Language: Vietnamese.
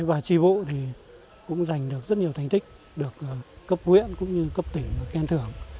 và tri bộ thì cũng giành được rất nhiều thành tích được cấp huyện cũng như cấp tỉnh khen thưởng